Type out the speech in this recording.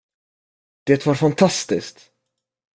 Det var fantastiskt!